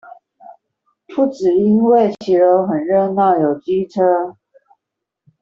不只因為騎樓很熱鬧有機車